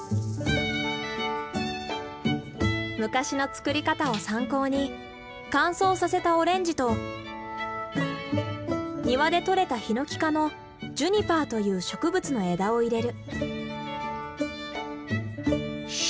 昔の作り方を参考に乾燥させたオレンジと庭で取れたヒノキ科のジュニパーという植物の枝を入れる。